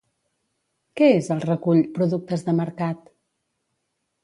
Què és el recull Productes de Mercat?